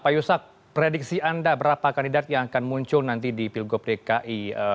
pak yusak prediksi anda berapa kandidat yang akan muncul nanti di pilgub dki